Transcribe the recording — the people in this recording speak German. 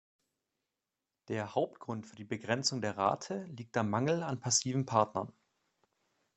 Der Hauptgrund für die Begrenzung der Rate liegt am Mangel an passiven Partnern.